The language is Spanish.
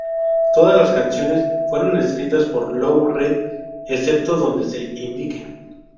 Todas las canciones fueron escritas por Lou Reed excepto donde se indique.